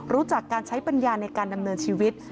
รู้จักการใช้ปัญญาในการดำเนินชีวิต